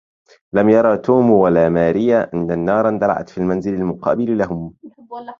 لم يرى توم ولا ماريا أن النار اندلعت في المنزل المقابل لهم.